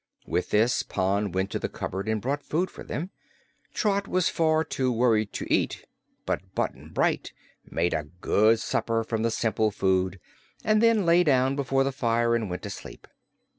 With this Pon went to the cupboard and brought food for them. Trot was far too worried to eat, but Button Bright made a good supper from the simple food and then lay down before the fire and went to sleep.